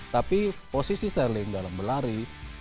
tapi posisi sterling dalam berlari dalam masuk ke dalam ruang offensive